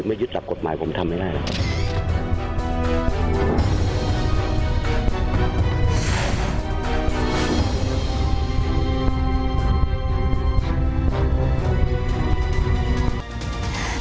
ไม่ยึดจับกฎหมายผมทำไม่ได้นะครับ